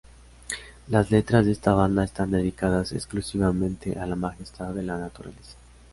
Las letras de esta banda están dedicadas exclusivamente a la majestad de la naturaleza.